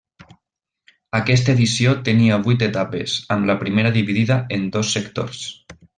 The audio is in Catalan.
Aquesta edició tenia vuit etapes, amb la primera dividida en dos sectors.